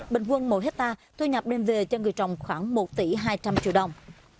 bình quân mỗi hectare thu nhập đem về cho người trồng khoảng một tỷ hai trăm linh triệu đồng